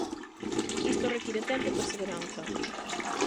Isto require tempo e perseveranza.